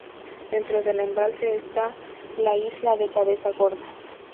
Dentro del embalse está la isla de Cabeza Gorda.